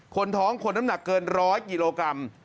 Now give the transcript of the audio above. คนท้องคนน้ำหนักเกิน๑๐๐กิโลกรัม